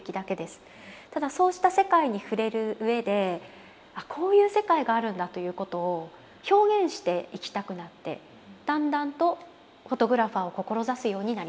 ただそうした世界に触れるうえでこういう世界があるんだということを表現していきたくなってだんだんとフォトグラファーを志すようになりました。